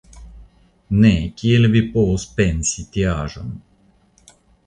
Ne, kiel vi povus pensi tiaĵon!